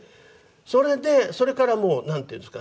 それでそれからもうなんていうんですか